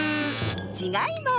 ちがいます！